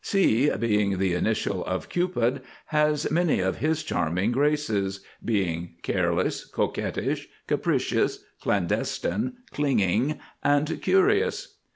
C, being the initial of Cupid, has many of his charming graces, being Careless, Coquettish, Capricious, Clandestine, Clinging, and Curious.